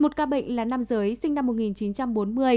một ca bệnh là nam giới sinh năm một nghìn chín trăm bốn mươi